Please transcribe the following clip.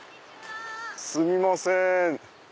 あっすみません。